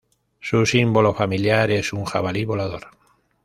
Su símbolo familiar es un jabalí volador.